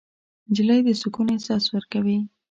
نجلۍ د سکون احساس ورکوي.